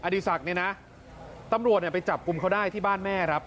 ดีศักดิ์เนี่ยนะตำรวจเนี่ยไปจับกลุ่มเขาได้ที่บ้านแม่ครับ